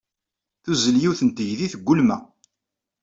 Tuzzel yiwet n teydit deg ulma.